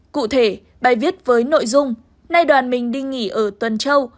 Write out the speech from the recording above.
cụ thể bài viết với nội dung nay đoàn mình đi nghỉ ở tuần châu